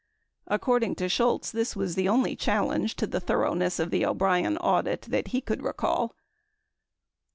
According to Shultz, this was the only challenge to the thoroughness of the O'Brien audit that he could recall.